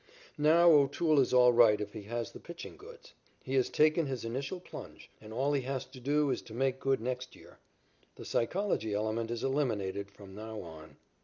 Now O'Toole is all right if he has the pitching goods. He has taken his initial plunge, and all he has to do is to make good next year. The psychology element is eliminated from now on.